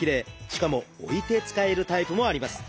しかも置いて使えるタイプもあります。